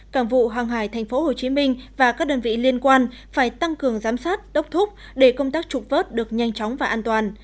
cảm vụ hàng hải thành phố hồ chí minh và các đơn vị liên quan phải tăng cường giám sát đốc thúc để công tác trục vớt được nhanh chóng và an toàn